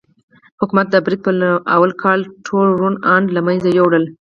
حکومت د برید په لومړي کال ټول روڼ اندي له منځه یووړل.